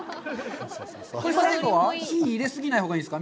火を入れ過ぎないほうがいいですか？